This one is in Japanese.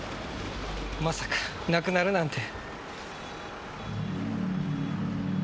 まさか亡くなるなんて。